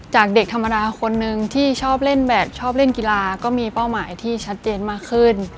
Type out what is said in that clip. จากเด็กธรรมดาคนนึงที่ชอบเล่นแบบชอบเล่นกีฬาก็มีเป้าหมายที่ชัดเจนมากขึ้น